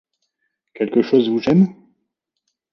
Quelque chose vous gêne ?